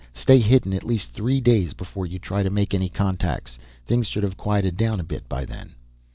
Stay hidden at least three days before you try to make any contacts. Things should have quieted down a bit by then."